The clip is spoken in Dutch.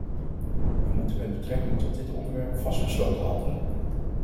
We moeten met betrekking tot dit onderwerp vastbesloten handelen.